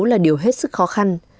là điều hết sức khó khăn